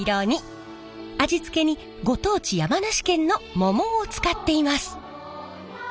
味付けにご当地山梨県の桃を使っています。